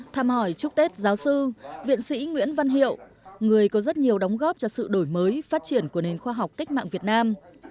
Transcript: tham hỏi chúc tết giáo sư viện sĩ nguyễn văn hiệu người có rất nhiều đóng góp cho sự đổi mới phát triển của nền khoa học cách mạng việt nam